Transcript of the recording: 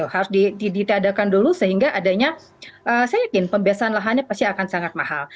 harus ditiadakan dulu sehingga adanya saya yakin pembebasan lahannya pasti akan sangat mahal